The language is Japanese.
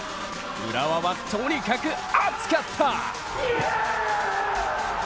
浦和はとにかく熱かった！